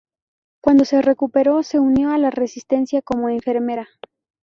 Cuando se recuperó, se unió a la resistencia como enfermera.